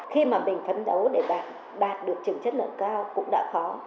khi mà mình phấn đấu để bạn đạt được trường chất lượng cao cũng đã khó